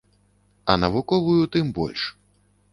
А навуковую тым больш.